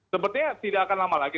sepertinya tidak akan lama lagi